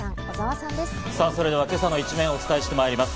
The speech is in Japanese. さぁそれでは、今朝の一面をお伝えしてまいります。